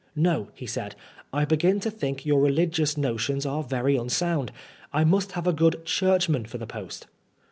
" No," he said, " I begin to think your religious notions are very unsound. I must have a good Churchman for the post."